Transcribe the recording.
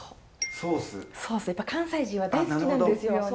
やっぱり関西人は大好きなんですよ。